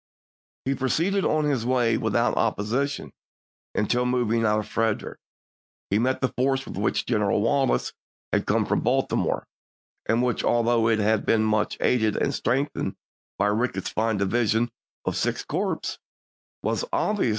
He proceeded on his way without opposition, until, moving out of Frederick, he met the force with which General Wallace had come from Baltimore, and which, although it had been much aided and strengthened by Ricketts's fine division of the Sixth Corps, was obviously Early, "Memoir of the Last Year of the War,' p.